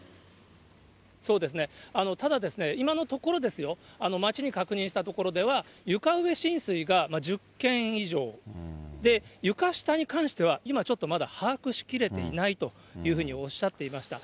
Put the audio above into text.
そうですね、ただ今のところ、町に確認したところでは、床上浸水が１０軒以上で、床下に関しては、今ちょっとまだ把握しきれていないというふうにおっしゃっていました。